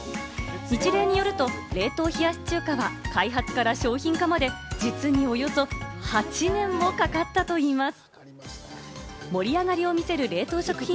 ニチレイによると、冷凍冷やし中華は開発から商品化まで、実におよそ８年もかかったといいます。